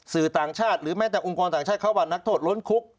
สื่อต่างชาติหรือแม้แต่องค์กรต่างชาติเขาว่านักโทษล้นคุก